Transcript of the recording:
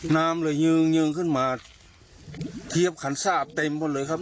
น้ำเลยเงิงเงิงขึ้นมาเทียบขันซ่าเต็มพอเลยครับ